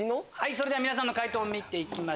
・それでは皆さんの解答見ていきましょう。